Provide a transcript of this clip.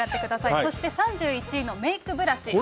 そして３１位のメイクブラシ。